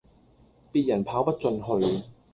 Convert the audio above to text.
別人跑不進去